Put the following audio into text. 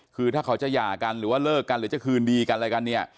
คือถ้าเขาจะหย่ากันหรือว่าเลิกกันหรือจะคืนดีกันอะไรกันเนี่ย